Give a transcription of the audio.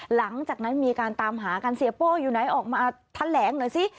หลังจากนั้นมีการตามหากันเสียโป้อยู่ไหนออกมาแถลงหน่อยสิ